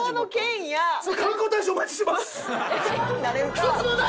１つもない！